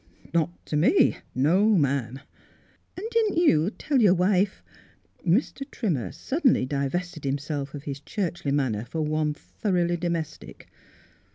"" Not to me ; no, ma'am." " An' didn't you tell your wife —" Mr. Trimmer suddenly divested himself of his churchly manner for one thor oughly domestic.